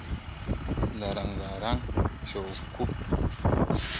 د رنګارنګ شګوفو ,